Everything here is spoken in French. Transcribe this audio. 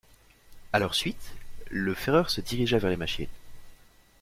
A leur suite, le ferreur se dirigea vers les machines.